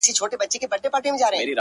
خیر حتمي کارونه مه پرېږده- کار باسه-